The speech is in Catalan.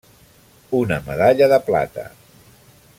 Una medalla de plata.